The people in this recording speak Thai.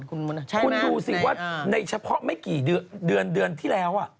คุณดูสิว่าในเฉพาะไม่กี่เดือนที่แล้ว